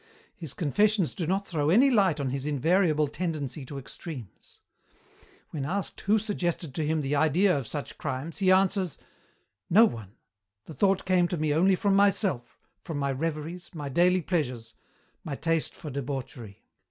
His confessions do not throw any light on his invariable tendency to extremes. When asked who suggested to him the idea of such crimes, he answers, 'No one. The thought came to me only from myself, from my reveries, my daily pleasures, my taste for debauchery.'